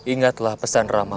ingatlah pesan ramamu ini